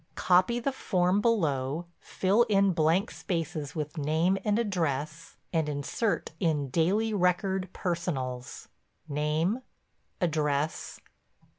Copy the form below, fill in blank spaces with name and address and insert in Daily Record personals. "(Name).................................. "(Address)...............................